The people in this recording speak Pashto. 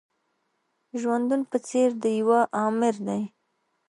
ژوندون په څېر د يوه آمر دی.